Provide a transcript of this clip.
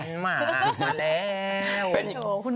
กันมาร์ร์เลว